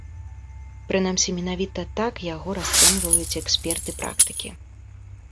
Прынамсі, менавіта так яго расцэньваюць эксперты-практыкі.